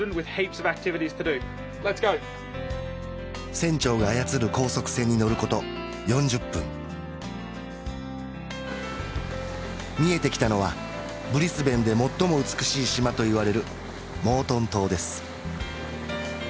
船長が操る高速船に乗ること４０分見えてきたのはブリスベンで最も美しい島といわれるモートン島です